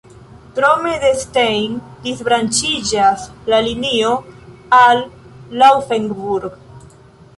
Krome de Stein disbranĉiĝas la linio al Laufenburg.